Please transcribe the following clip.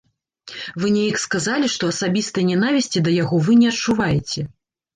Вы неяк сказалі, што асабістай нянавісці да яго вы не адчуваеце.